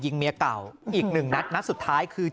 เมียเก่าอีกหนึ่งนัดนัดสุดท้ายคือ